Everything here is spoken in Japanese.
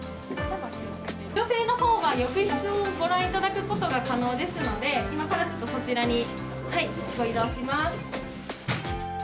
女性のほうは浴室をご覧いただくことが可能ですので、今からちょっとそちらに移動します。